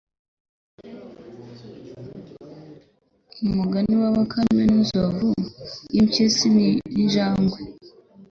mugani wa Bakame n Inzovu n'Impyisi n Injangwe